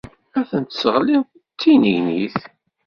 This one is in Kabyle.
Ad ten-tesseɣliḍ d tinegnit.